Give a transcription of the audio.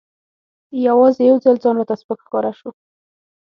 یوازې یو ځل ځان راته سپک ښکاره شو.